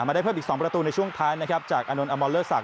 ได้เพิ่มอีก๒ประตูในช่วงท้ายนะครับจากอานนทอมอลเลอร์ศักด